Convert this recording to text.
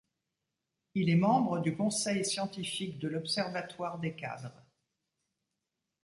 Il est membre du conseil scientifique de l'Observatoire des Cadres.